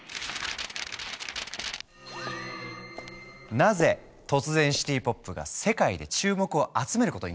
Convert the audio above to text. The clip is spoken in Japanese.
なぜ突然シティ・ポップが世界で注目を集めることになったのか。